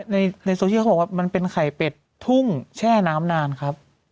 ในโซเชียลเขาบอกว่ามันเป็นไข่เป็ดทุ่งแช่น้ำนานครับ